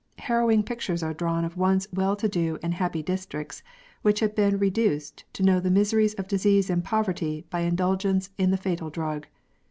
Harrowing pictures are drawn of once well to do and happy dis tricts which have been reduced to know the miseries of disease and poverty by indulgence in the fatal drug.